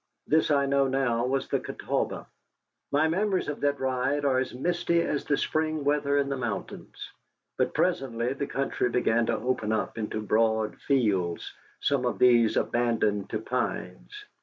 This I know now was the Catawba. My memories of that ride are as misty as the spring weather in the mountains. But presently the country began to open up into broad fields, some of these abandoned to pines.